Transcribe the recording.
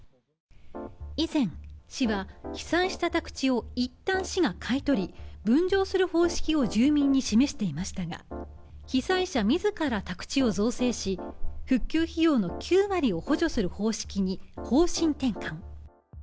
以前、市は被災した宅地を一旦市が買い取り分譲する方式を住民に示していましたが被災者自ら宅地を造成し復旧費用の９割を補助する方式に方針転換。